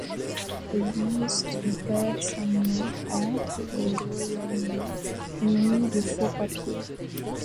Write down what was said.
Lui et son père Samuel entrent au Royaume-Uni munis de faux-papiers.